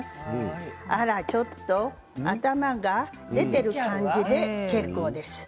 あらちょっと頭が出てる感じで、結構です。